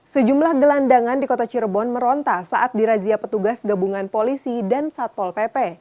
sejumlah gelandangan di kota cirebon meronta saat dirazia petugas gabungan polisi dan satpol pp